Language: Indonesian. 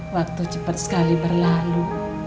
waktu cepet sekali berlalu